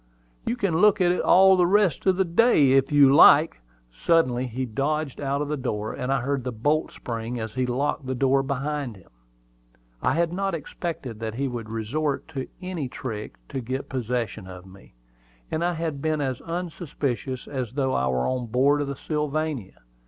"You can look at it all the rest of the day, if you like." Suddenly he dodged out of the door, and I heard the bolt spring as he locked the door behind him. I had not expected that he would resort to any trick to get possession of me; and I had been as unsuspicious as though I were on board of the Sylvania.